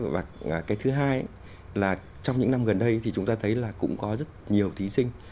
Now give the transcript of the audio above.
và cái thứ hai là trong những năm gần đây thì chúng ta thấy là cũng có rất nhiều thí sinh